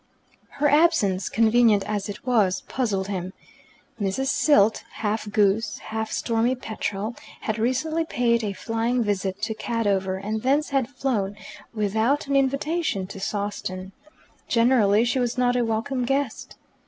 Her absence, convenient as it was, puzzled him. Mrs. Silt, half goose, half stormy petrel, had recently paid a flying visit to Cadover, and thence had flown, without an invitation, to Sawston. Generally she was not a welcome guest.